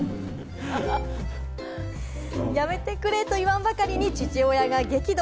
やめてくれ！と言わんばかりに父親が激怒。